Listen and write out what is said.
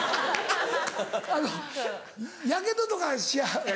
あのやけどとかしはる？